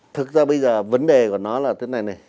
thực ra bây giờ vấn đề của nó là thế này này